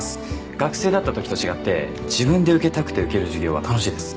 学生だったときと違って自分で受けたくて受ける授業は楽しいです